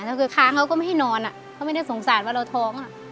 ก็คือค้างเขาก็ไม่ให้นอนเขาไม่ได้สงสารว่าเราท้อง